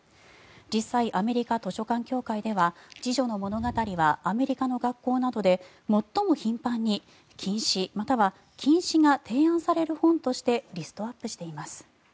実際、アメリカ図書館協会では「侍女の物語」はアメリカの学校などで最も頻繁に禁止または禁止が提案される本としてリストアップしています。